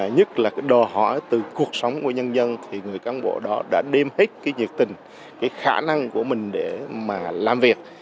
nhất là đòi hỏi từ cuộc sống của nhân dân thì người cán bộ đó đã đem hết nhiệt tình khả năng của mình để làm việc